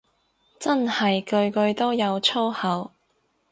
真係句句都有粗口